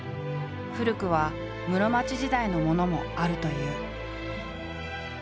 古くは室町時代のものもあるという。